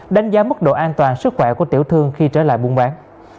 đánh giá mức độ an toàn sức khỏe của tiểu thương khi trở lại buôn bán